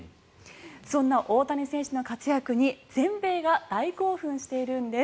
そんな大谷選手の活躍に全米が大興奮しているんです。